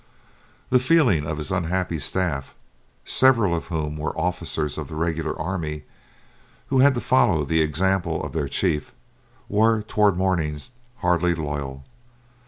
The feelings of his unhappy staff, several of whom were officers of the regular army, who had to follow the example of their chief, were toward morning hardly loyal.